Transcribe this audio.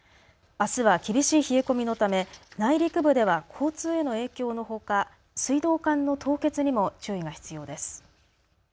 あすは厳しい冷え込みのため内陸部では交通への影響のほか水道管の凍結にも注意が必要です。